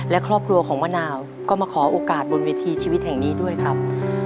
และครอบครัวของมะนาวก็มาขอโอกาสบนเวทีชีวิตแห่งนี้ด้วยครับ